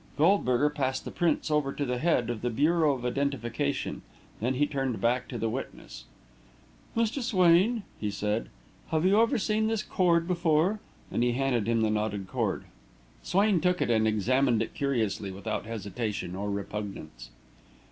Goldberger passed the prints over to the head of the Bureau of Identification, then he turned back to the witness. "Mr. Swain," he said, "have you ever seen this cord before?" and he handed him the knotted cord. Swain took it and examined it curiously, without hesitation or repugnance.